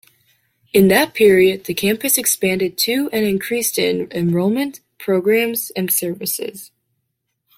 In that period the campus expanded to and increased in enrollment, programs, and services.